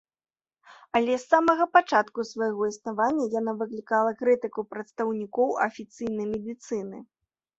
Але з самага пачатку свайго існавання яна выклікала крытыку прадстаўнікоў афіцыйнай медыцыны.